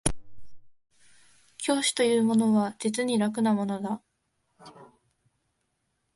教師というものは実に楽なものだ